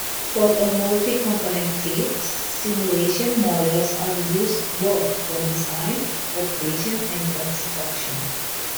For a multi-component feed, simulation models are used both for design, operation, and construction.